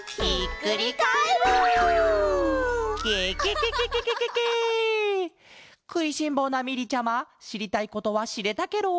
くいしんぼうなみりちゃましりたいことはしれたケロ？